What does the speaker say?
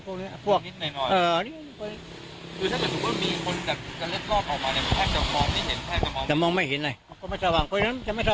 ถ้าดึกไปหรือถ้าอีกตีสิบคนก็จะเงียบเลยเนอะ